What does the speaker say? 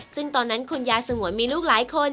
ซึ่งตอนนั้นคุณยายสงวนมีลูกหลายคน